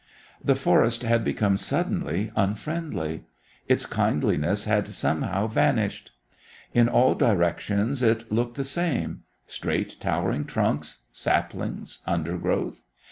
The forest had become suddenly unfriendly; its kindliness had somehow vanished. In all directions it looked the same; straight towering trunks, saplings, undergrowth.